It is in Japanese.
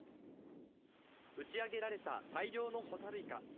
打ち上げられた大量のホタルイカ。